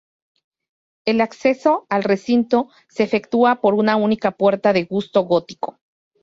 El acceso al recinto se efectúa por una única puerta de gusto gótico.